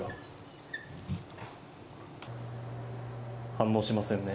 反応しませんね。